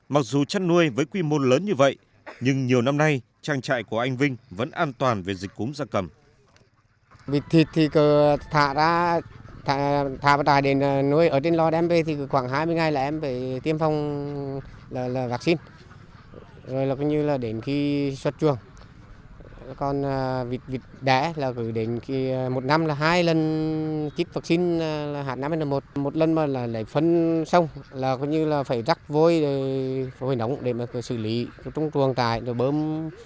mặc dù chăn nuôi với quy mô lớn như vậy nhưng nhiều năm nay trang trại của anh vinh vẫn an toàn về dịch cúm gia cầm